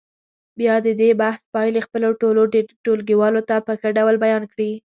بیا دې د بحث پایلې خپلو ټولو ټولګیوالو ته په ښه ډول بیان کړي.